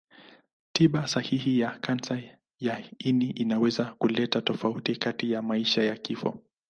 Tiba sahihi ya kansa ya ini inaweza kuleta tofauti kati ya maisha na kifo.